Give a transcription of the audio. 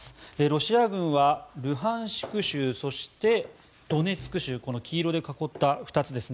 ロシア軍はルハンシク州そして、ドネツク州この黄色で囲った２つ。